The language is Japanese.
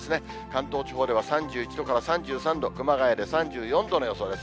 関東地方では３１度から３３度、熊谷で３４度の予想です。